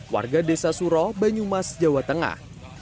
warga desa suro banyumas jawa tengah